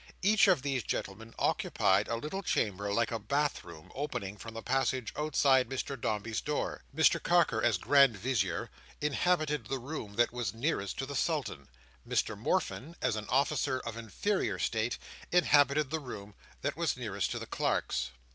Each of these gentlemen occupied a little chamber like a bath room, opening from the passage outside Mr Dombey's door. Mr Carker, as Grand Vizier, inhabited the room that was nearest to the Sultan. Mr Morfin, as an officer of inferior state, inhabited the room that was nearest to the clerks.